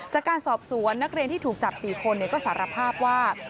จากการสอบสวนนักเรียนที่ถูกจับ๔คนก็สารภาพว่า